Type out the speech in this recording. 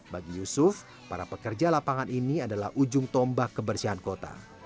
bagi yusuf para pekerja lapangan ini adalah ujung tombak kebersihan kota